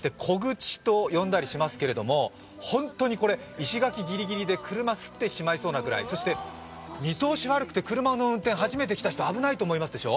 本当に石垣ぎりぎりで車をすってしまうぐらいそして見通し悪くて、車の運転、初めて来た人、危ないと思いますでしょ。